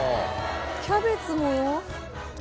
キャベツも？